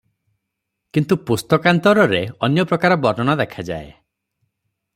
କିନ୍ତୁ ପୁସ୍ତକାନ୍ତରରେ ଅନାପ୍ରକାର ବର୍ଣ୍ଣନା ଦେଖାଯାଏ ।